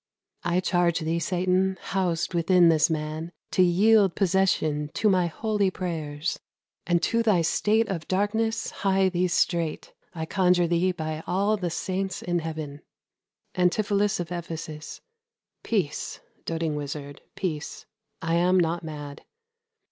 _ I charge thee, Satan, housed within this man, To yield possession to my holy prayers, And to thy state of darkness his thee straight; I conjure thee by all the saints in heaven. Ant. E. Peace, doting wizard, peace; I am not mad.